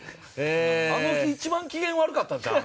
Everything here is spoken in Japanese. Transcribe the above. あの日一番機嫌悪かったんちゃう？